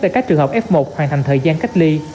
để các trường học f một hoàn thành thời gian cách ly